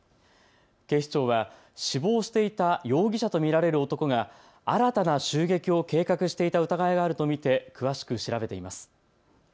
警視庁は死亡していた容疑者と見られる男が新たな襲撃を計画していた疑いがあると見て詳しく調べています。